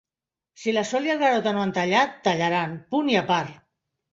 Si la Sol i el Garota no han tallat, tallaran, punt i apart.